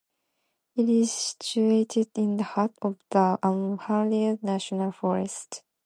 It is situated in the heart of the Uwharrie National Forest.